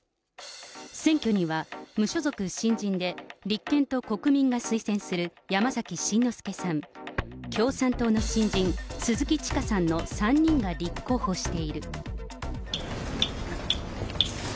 選挙には、無所属新人で、立憲と国民が推薦する山崎しんのすけさん、共産党の新人、鈴木千佳さんの３人が立候補している。